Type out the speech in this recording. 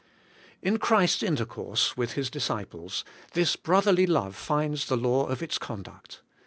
In Christ's intercourse with His disciples this broth erly love finds the law of its conduct.